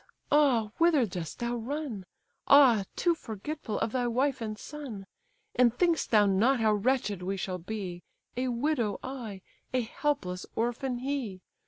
ah, whither dost thou run? Ah, too forgetful of thy wife and son! And think'st thou not how wretched we shall be, A widow I, a helpless orphan he?